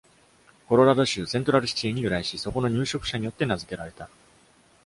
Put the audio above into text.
コロラド州セントラルシティーに由来し、そこの入植者によって名付けられた。